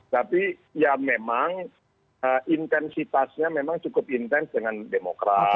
tapi ya memang intensitasnya memang cukup intens dengan demokrat